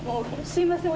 すみません。